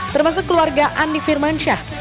termasuk keluarga andi firmansyah